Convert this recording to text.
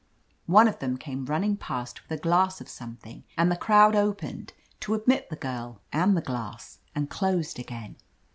One of them came running past with a glass of something, and the crowd opened to admit the girl and the glass and closed again.